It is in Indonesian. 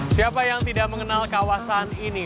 siapa yang tidak mengenal kawasan ini